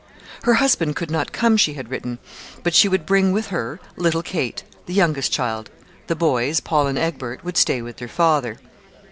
Her husband could not come, she had written, but she would bring with her, little Kate, the youngest child. The boys, Paul and Egbert, would stay with their father.